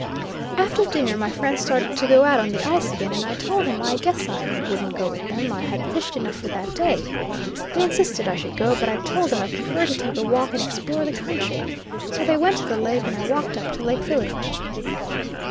After dinner my friends started to go out on the ice again, and I told them "I guess'd I wouldn't go with them, I had fished enough for that day." They insisted I should go, but I told them I preferred to take a walk and explore the country. So they went to the lake and I walked up to Lake Village.